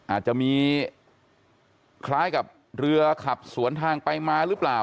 อาจจะมีคล้ายกับเรือขับสวนทางไปมาหรือเปล่า